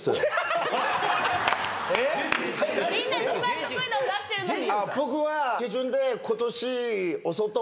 みんな一番得意の出してるのに。